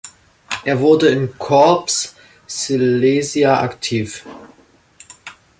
Er wurde im Corps Silesia aktiv.